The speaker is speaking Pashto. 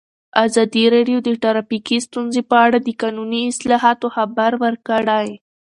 ازادي راډیو د ټرافیکي ستونزې په اړه د قانوني اصلاحاتو خبر ورکړی.